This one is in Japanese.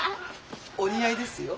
お似合いですよ。